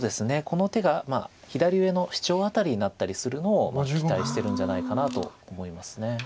この手が左上のシチョウアタリになったりするのを期待してるんじゃないかなと思います。